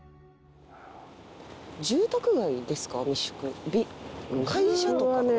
住宅街ですか？